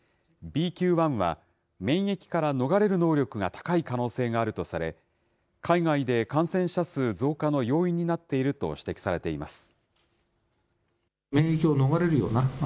ＢＱ．１は、免疫から逃れる能力が高い可能性があるとされ、海外で感染者数増加の要因になっていると指摘されています。